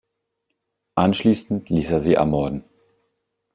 Anschließend ließ er sie ermorden.